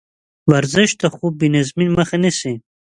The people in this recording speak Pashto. ورزش د خوب بېنظمۍ مخه نیسي.